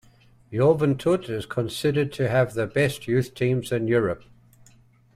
Joventut is considered to have the best youth teams in Europe.